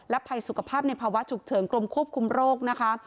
ภัยสุขภาพในภาวะฉุกเฉินกรมควบคุมโรคนะคะ